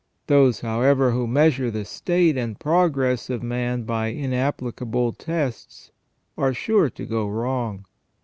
Those, however, who measure the state and progress of man by inap plicable tests are sure to go wrong.